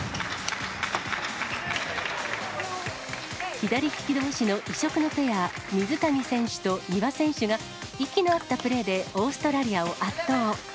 左利きどうしの異色のペア、水谷選手と丹羽選手が、息の合ったプレーで、オーストラリアを圧倒。